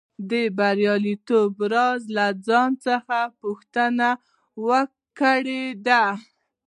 د بریالیتوب راز له ځان څخه پوښتنه کول دي